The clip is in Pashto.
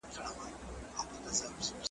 له سهاره ترماښامه به پر کار وو .